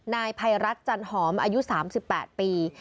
นายภัยรัฐจันหอมอายุ๓๘ปี